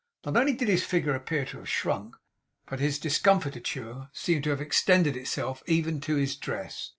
Not only did his figure appear to have shrunk, but his discomfiture seemed to have extended itself even to his dress.